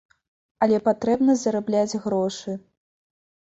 Але патрэбна зарабляць грошы.